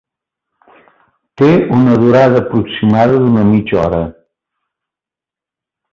Té una durada aproximada d’una mitja hora.